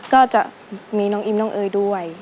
ก็จะมีน้องอิมน้องเอ๋ยด้วย